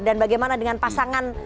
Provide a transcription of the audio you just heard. dan bagaimana dengan pasangan